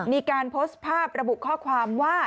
มีการโพสต์ภาพระบุข้อความว่า